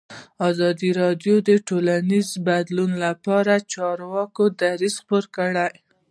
ازادي راډیو د ټولنیز بدلون لپاره د چارواکو دریځ خپور کړی.